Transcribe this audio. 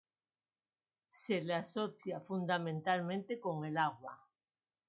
Se le asocia fundamentalmente con el agua.